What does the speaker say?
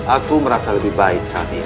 aku merasa lebih baik saat ini